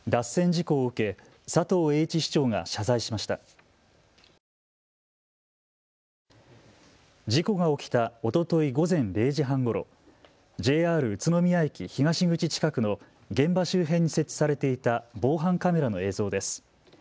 事故が起きたおととい午前０時半ごろ、ＪＲ宇都宮駅東口近くの現場周辺に設置されていた防犯カメラの映像です。